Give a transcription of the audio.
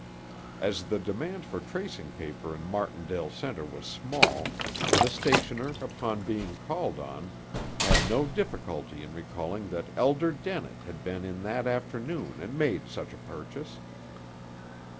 As the demand for tracing paper in Martindale Center was small, the stationer upon being called on, had no difficulty in recalling that Elder Dennett had been in that afternoon and made such a purchase.